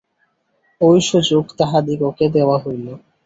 ঐ সুযোগ তাহাদিগকে দেওয়া হইল।